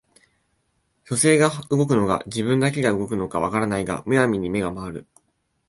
書生が動くのか自分だけが動くのか分からないが無闇に眼が廻る